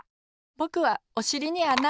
ぼくはおしりにあな！